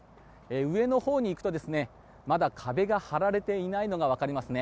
上のほうに行くとまだ壁が張られていないのが分かりますね。